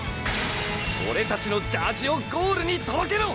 オレたちのジャージをゴールに届けろ！！